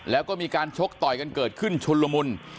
แล้วก็มีการชกต่อยกันเกิดขึ้นชุนละมุน